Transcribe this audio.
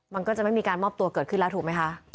มันก็จะไม่มีการมอบตัวเกิดขึ้นแล้วถูกไหมคะ